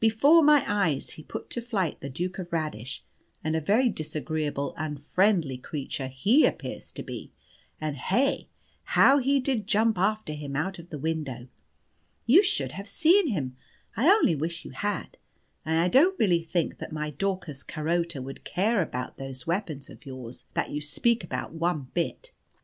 Before my eyes he put to flight the Duke of Radish, (and a very disagreeable, unfriendly creature he appears to be) and hey, how he did jump after him out of the window! You should just have seen him: I only wish you had! And I don't really think that my Daucus Carota would care about those weapons of yours that you speak about one bit.